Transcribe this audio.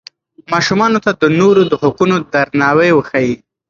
ماشومانو ته د نورو د حقونو درناوی وښایئ.